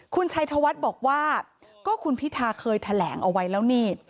คุณชัยธวัฒน์บอกว่าก็คุณพิธาเคยแถลงเอาไว้แล้วนี่